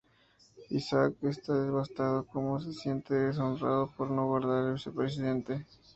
Isaak está devastado como se siente deshonrado por no guardar el vicepresidente.